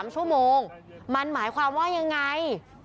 ๓ชั่วโมงมันหมายความว่ายังไง